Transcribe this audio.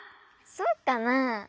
そうかなあ？